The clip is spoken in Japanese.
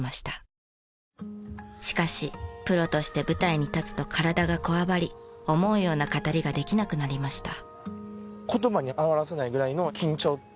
しかしプロとして舞台に立つと体がこわばり思うような語りができなくなりました。